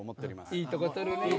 いいとこ取るねー。